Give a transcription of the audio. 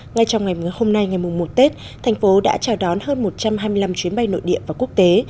ngay trong ngày hôm nay ngày mùng một tết thành phố đã chào đón hơn một trăm hai mươi năm chuyến bay nội địa và quốc tế